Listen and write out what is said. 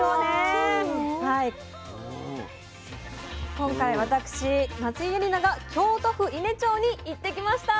今回私松井絵里奈が京都府伊根町に行ってきました。